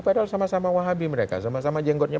padahal sama sama wahabi mereka sama sama jenggotnya